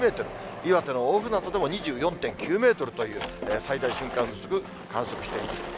岩手の大船渡でも２４．９メートルという、最大瞬間風速観測しています。